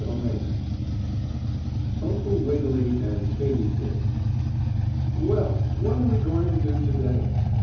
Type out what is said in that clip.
STORY XV UNCLE WIGGILY AND KATE DID "Well, what are we going to do to day?"